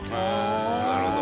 なるほど。